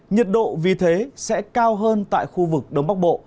nhiệt độ vì thế sẽ cao hơn tại khu vực đông bắc bộ